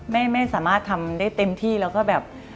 ไม่สามารถทำได้เต็มที่แล้วก็แบบ